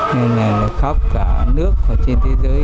nên là khắp cả nước và trên thế giới